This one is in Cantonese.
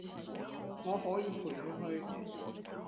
我可以陪你去